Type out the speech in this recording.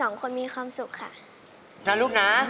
แล้วสู้คนมีความสุขค่ะ